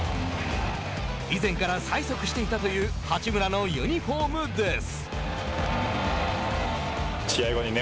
以前から催促していたという八村のユニホームです。